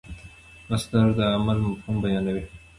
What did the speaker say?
مصدر د عمل مفهوم بیانوي.